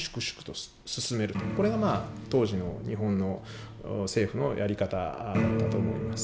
これが当時の日本の政府のやり方だったと思います。